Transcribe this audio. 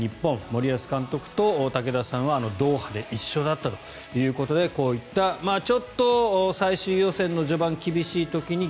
森保監督と武田さんはあのドーハで一緒だったということでこういったちょっと最終予選の序盤厳しい時に